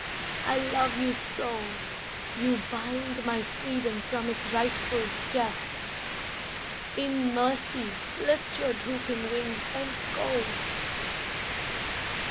I love you so You bind my freedom from its rightful quest. In mercy lift your drooping wings and go.